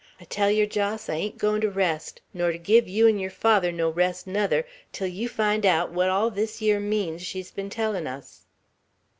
I tell yer, Jos, I ain't goin' to rest, nor ter give yeou 'n' yer father no rest nuther, till yeou find aout what all this yere means she's been tellin' us."